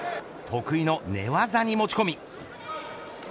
得意の寝技に持ち込み。